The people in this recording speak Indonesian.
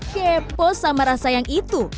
kepo sama rasa yang itu